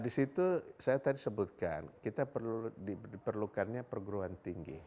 di situ saya tadi sebutkan kita perlu diperlukannya perguruan tinggi